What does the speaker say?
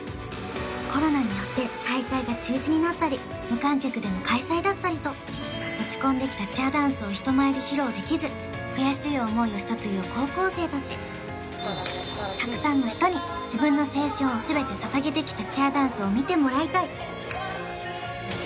コロナによって大会が中止になったり無観客での開催だったりと打ち込んできたチアダンスを人前で披露できず悔しい思いをしたという高校生たちたくさんの人に自分のそんな強い思いが詰まったと思っています